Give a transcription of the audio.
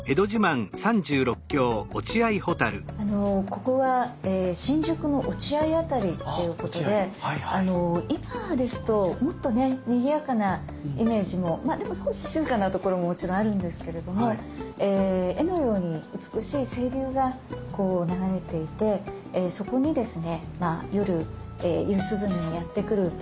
ここは新宿の落合辺りっていうことで今ですともっとねにぎやかなイメージもまあでも少し静かなところももちろんあるんですけれども絵のように美しい清流が流れていてそこにですね夜夕涼みにやって来るという。